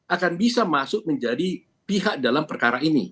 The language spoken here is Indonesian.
akan bisa masuk menjadi pihak dalam perkara ini